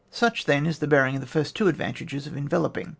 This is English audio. Such, then, is the bearing of the first two advantages of enveloping.